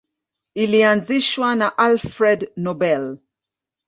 Ilianzishwa na Alfred Nobel.